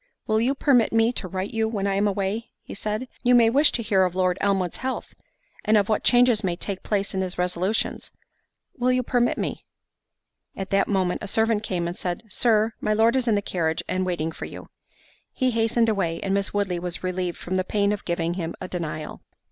—"Will you permit me to write to you when I am away?" said he; "You may wish to hear of Lord Elmwood's health, and of what changes may take place in his resolutions.—Will you permit me?" At that moment a servant came and said, "Sir, my Lord is in the carriage, and waiting for you." He hastened away, and Miss Woodley was relieved from the pain of giving him a denial.